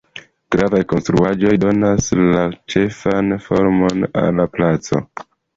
Gravaj konstruaĵoj donas la ĉefan formon al la placo.